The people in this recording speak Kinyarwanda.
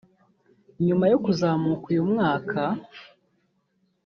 nyuma yo kuzamuka uyu mwaka